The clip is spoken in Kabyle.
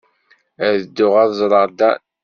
Ad dduɣ ad ẓreɣ Dan.